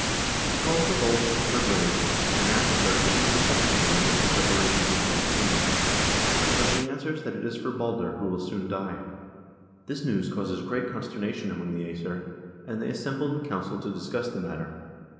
He calls the volva from her grave, and asks her for whose reception they are making preparations in Hel's kingdom, and she answers that it is for Balder, who will soon die. This news causes great consternation among the iEsir, and they assemble in council to discuss the matter.